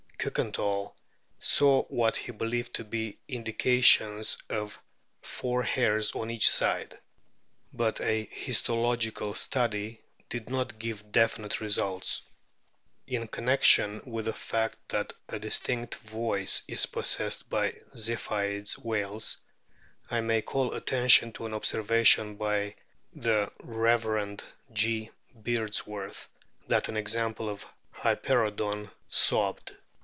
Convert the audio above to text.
Kiikenthal saw what he believed to be indications of four hairs on each side ; but a histolo gical study did not give definite results. In connection with the fact that a distinct voice is possessed by Ziphioid whales, I may call attention 228 A BOOK OF WHALES to an observation by the Rev. G. Beardsworth* that an example of Hyperoodon "sobbed."